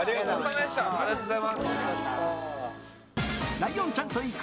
ライオンちゃんと行く！